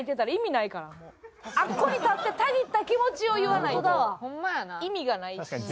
あそこに立ってたぎった気持ちを言わないと意味がないし。